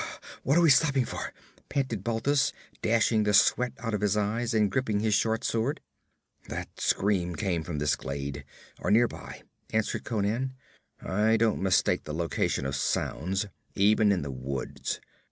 'What are we stopping for?' panted Balthus, dashing the sweat out of his eyes and gripping his short sword. 'That scream came from this glade, or near by,' answered Conan. 'I don't mistake the location of sounds, even in the woods.